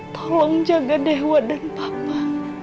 tolong jaga dewa dan papa